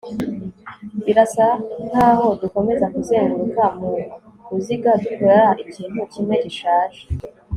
birasa nkaho dukomeza kuzenguruka mu ruziga, dukora ikintu kimwe gishaje